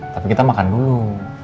tapi kita makan dulu